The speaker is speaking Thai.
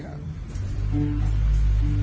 เอาจริงดิ